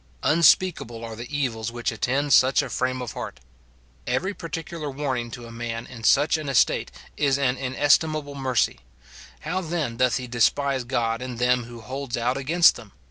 Unspeakable are the evils which attend such a frame of heart. Every particular warning to a man in such an estate is an inestimable mercy ; how then doth he despise God in them who holds out against them